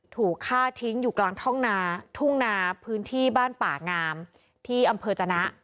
ถูกฆ่าทิ้งอยู่กลางท่องนาทุ่งนาพื้นที่บ้านป่างามที่อำเภอจนะ